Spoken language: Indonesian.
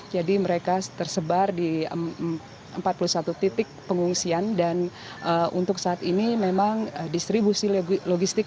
jadi mereka tersebar di empat puluh satu titik pengungsian dan untuk saat ini memang distribusi logistik